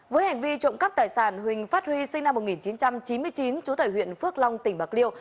với hành vi trộm cắp tài sản huỳnh phát huy sinh năm một nghìn chín trăm chín mươi chín trú tại huyện phước long tỉnh bạc liêu